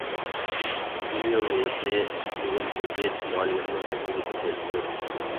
تېما يوللىغۇچى تۇرغۇن مىجىت مۇئەللىمنىڭ ئەجرىگە تەشەككۈر!